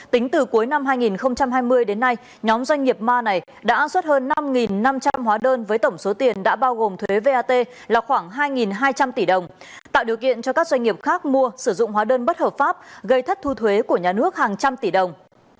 tính từ cuối năm hai nghìn hai mươi đến nay nhóm doanh nghiệp ma này đã xuất hơn năm năm trăm linh hóa đơn với tổng số tiền đã bao gồm thuế vat là khoảng hai hai trăm linh tỷ đồng tạo điều kiện cho các doanh nghiệp khác mua sử dụng hóa đơn bất hợp pháp gây thất thu thuế của nhà nước hàng trăm tỷ đồng